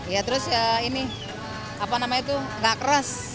ya terus ya ini apa namanya tuh gak keras